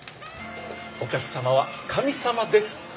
お客様は神様です。